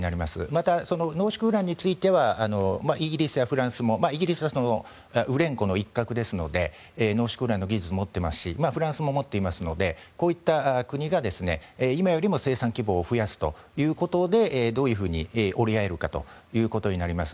また、濃縮ウランについてはイギリスやフランスもイギリスはウレンコの一角ですので濃縮ウランの技術を持っていますしフランスも持っていますのでこういった国が今よりも生産規模を増やすということでどういうふうに折り合えるかということになります。